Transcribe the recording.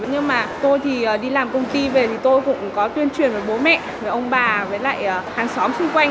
nhưng mà tôi thì đi làm công ty về thì tôi cũng có tuyên truyền với bố mẹ với ông bà với lại hàng xóm xung quanh